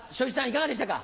いかがでしたか？